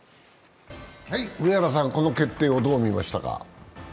上原さん、この決定をどう見ましたか？